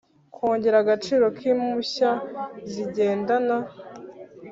Kongera agaciro k impushya bigendana